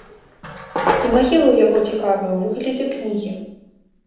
І магіла ў яго цікавая, у выглядзе кнігі.